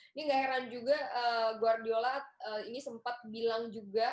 ini gak heran juga guardiola ini sempat bilang juga